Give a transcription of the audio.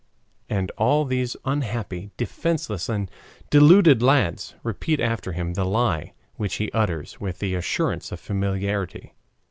And all these unhappy, defenseless, and deluded lads repeat after him the lie, which he utters with the assurance of familiarity.